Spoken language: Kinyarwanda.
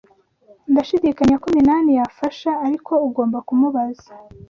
Ndashidikanya ko Minani yafasha, ariko ugomba kumubaza.